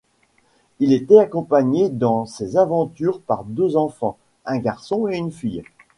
Il était accompagné dans ses aventures par deux enfants, un garçon et une fille.